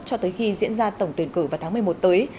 cho tới khi diễn ra tổng tuyển cử vào tháng một mươi một tới